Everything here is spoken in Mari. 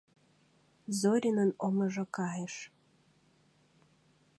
Зоринын омыжо кайыш.